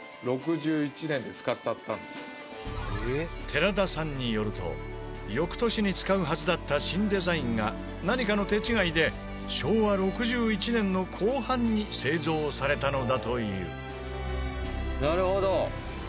寺田さんによると翌年に使うはずだった新デザインが何かの手違いで昭和６１年の後半に製造されたのだという。